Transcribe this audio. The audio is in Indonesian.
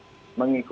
terima kasih pak budi